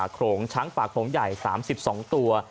โขลงช้างป่าโขลงใหญ่๓๒ตัว